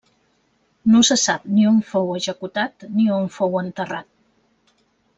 No se sap ni on fou executat ni on fou enterrat.